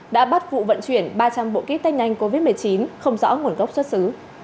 đã bắt vụ vận chuyển ba trăm linh bộ kít tết nhanh covid một mươi chín không rõ nguồn gốc xuất xứ